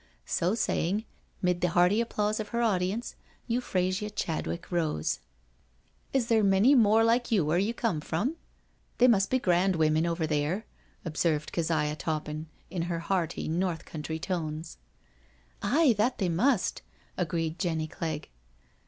So saying, mid the hearty applause of her audience, Euphrasia Chadwick rose. " Is there many more like you where you come from? They must be grand women over there I*' observed Keziah Toppin, in her hearty North Country tones. " Aye, that they must," agreed Jenny Clegg.